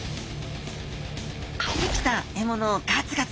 生きた獲物をガツガツ